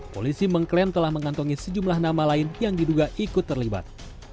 polisi mengklaim telah mengantongi sejumlah nama lain yang diduga ikut terlibat